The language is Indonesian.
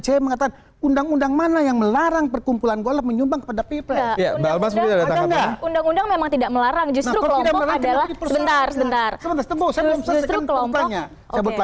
kemudian poin yang kedua poin yang kedua